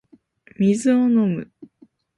水を飲む